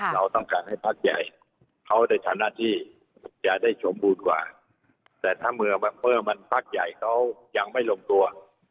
เราต้องการให้พักใหญ่เขาได้ทำหน้าที่จะได้สมบูรณ์กว่าแต่ถ้าเมื่อมันพักใหญ่เขายังไม่ลงตัว